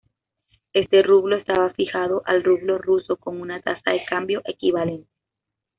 Este rublo estaba fijado al rublo ruso con una tasa de cambio equivalente.